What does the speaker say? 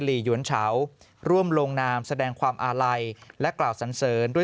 ลีหยวนเฉาร่วมลงนามแสดงความอาลัยและกล่าวสันเสริญด้วย